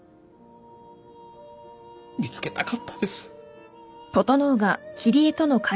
見つけたかったです。